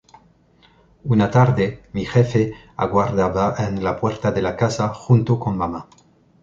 Una tarde, mi jefe, aguardaba en la puerta de la casa, junto con mama.